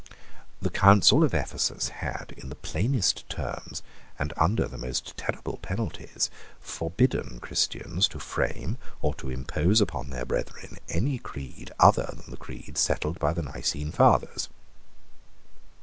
The Council of Ephesus had, in the plainest terms, and under the most terrible penalties, forbidden Christians to frame or to impose on their brethren any creed other than the creed settled by the Nicene Fathers.